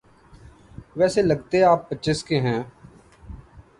ویسے لگتے آپ پچیس کے ہیں۔